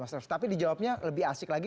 mas ref tapi dijawabnya lebih asik lagi